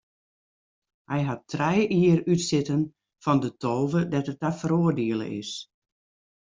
Hy hat trije jier útsitten fan de tolve dêr't er ta feroardiele is.